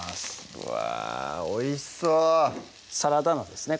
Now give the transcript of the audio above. うわおいしそうサラダ菜ですね